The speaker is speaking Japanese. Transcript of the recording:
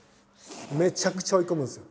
めちゃくちゃ追い込むんですよ。